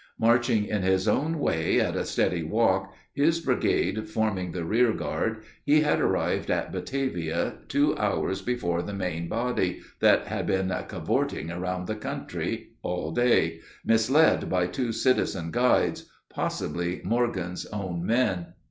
Marching in his own way, at a steady walk, his brigade forming the rear guard, he had arrived at Batavia two hours before the main body, that had been "cavorting round the country" all day, "misled by two citizen guides" possibly Morgan's own men.